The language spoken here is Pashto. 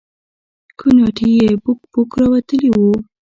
کوناټي يې بوک بوک راوتلي وو.